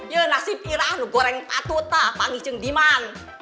ya nasib iran goreng patuta panggih jeng diman